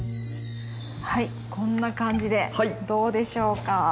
こんな感じでどうでしょうか？